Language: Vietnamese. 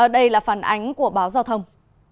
đây là phản ánh của báo giao thông